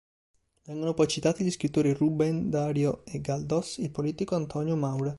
Vengono poi citati gli scrittori Rubén Darío e Galdós, il politico Antonio Maura.